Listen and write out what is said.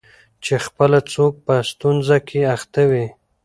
چي پخپله څوک په ستونزه کي اخته وي